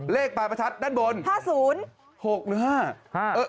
เลขปลายประทัดด้านบน๕๐๖หรือ๕